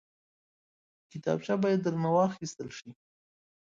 کتابچه باید درنه واخیستل شي